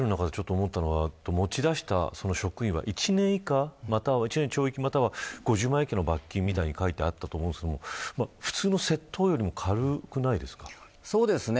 持ち出した職員は１年以下の懲役、または５０万円以下の罰金みたいに書いてあったんですけれど普通の窃盗よりも軽くないですか。